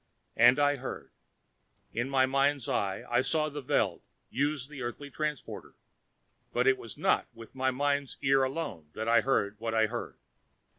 And I heard. In my mind's eye, I saw the Veld use the Earthly transporter, but it was not with my mind's ear alone that I heard what I heard.